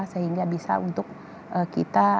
sehingga bisa untuk kita